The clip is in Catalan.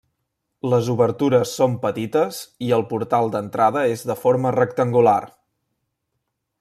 Les obertures són petites i el portal d'entrada és de forma rectangular.